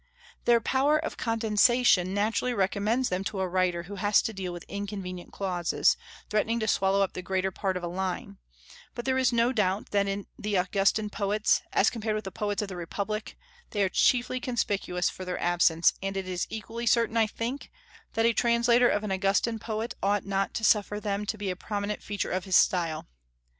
Their power of condensation naturally recommends them to a writer who has to deal with inconvenient clauses, threatening to swallow up the greater part of a line; but there is no doubt that in the Augustan poets, as compared with the poets of the republic, they are chiefly conspicuous for their absence, and it is equally certain, I think, that a translator of an Augustan poet ought not to suffer them to be a prominent feature of his style.